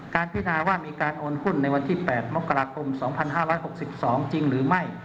พินาว่ามีการโอนหุ้นในวันที่๘มกราคม๒๕๖๒จริงหรือไม่